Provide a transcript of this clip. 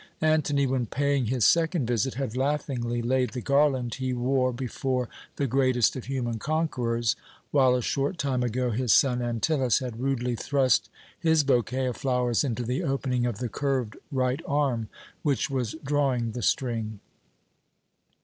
Antony, when paying his second visit, had laughingly laid the garland he wore before "the greatest of human conquerors," while a short time ago his son Antyllus had rudely thrust his bouquet of flowers into the opening of the curved right arm which was drawing the string.